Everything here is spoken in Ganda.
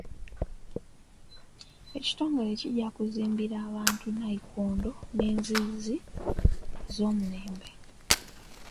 Ekitongole kijja kuzimbira abantu nnayikondo n'enzizi ez'omulembe.